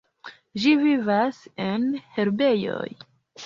Ĝi vivas en herbejoj.